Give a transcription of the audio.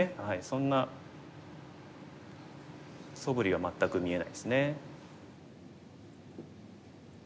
そんなそぶりは全く見えないですね。